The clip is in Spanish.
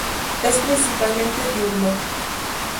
Es principalmente diurno.